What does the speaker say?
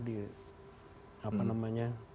di apa namanya